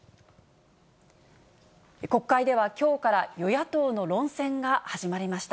国会ではきょうから与野党の論戦が始まりました。